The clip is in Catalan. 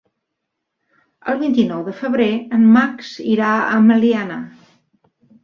El vint-i-nou de febrer en Max irà a Meliana.